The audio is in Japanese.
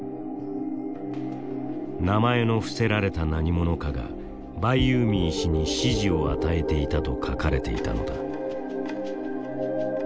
名前の伏せられた何者かがバイユーミー氏に指示を与えていたと書かれていたのだ。